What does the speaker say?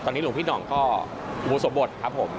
ตอนนี้หลวงพี่หน่องก็บูสบทครับผม